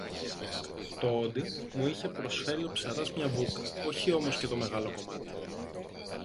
Τωόντι, μου είχε προσφέρει ο ψαράς μια βούκα, όχι όμως και το μεγάλο κομμάτι